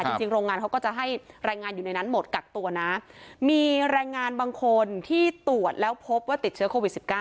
จริงจริงโรงงานเขาก็จะให้แรงงานอยู่ในนั้นหมดกักตัวนะมีแรงงานบางคนที่ตรวจแล้วพบว่าติดเชื้อโควิด๑๙